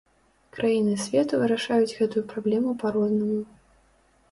Краіны свету вырашаюць гэтую праблему па-рознаму.